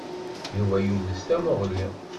Yuba yules tamuɣli.